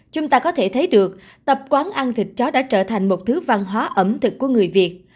chúng ta có thể thấy được tập quán ăn thịt chó đã trở thành một thứ văn hóa ẩm thực của người việt